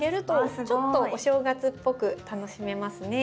ちょっとお正月っぽく楽しめますね。